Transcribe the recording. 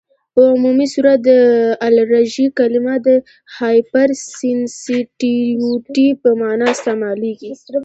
په عمومي صورت د الرژي کلمه د هایپرسینسیټیويټي په معنی استعمالیږي.